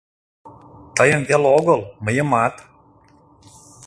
Тыйым веле огыл — мыйымат!..